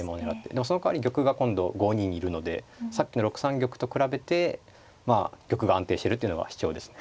でもそのかわり玉が今度５二にいるのでさっきの６三玉と比べてまあ玉が安定しているというのが主張ですね。